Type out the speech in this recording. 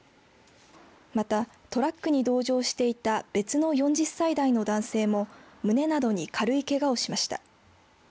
また、トラックに同乗していた別の４０歳代の男性も胸などに軽いけがをしました。